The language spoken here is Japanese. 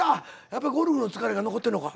やっぱりゴルフの疲れが残ってんのか。